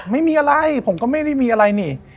ไม่มีอะไรผมก็ไม่ได้มีอะไรนี่